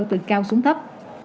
từ cao xuống thấp